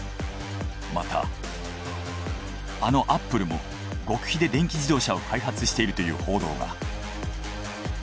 またあのアップルも極秘で電気自動車を開発しているという報道が。